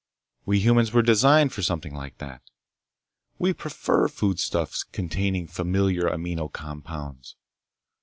We humans were designed for something like that. We prefer foodstuffs containing familiar amino compounds.